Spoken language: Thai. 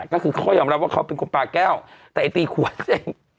ก็คือเขาก็ยอมรับว่าเขาเป็นคนปลาแก้วแต่ไอตีขวดซะเอง